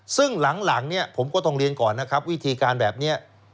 ซึ่งหลังเนี่ยผมก็ต้องเรียนก่อนนะครับวิธีการแบบนี้